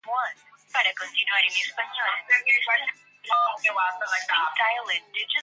The shaft, knop and head are modern.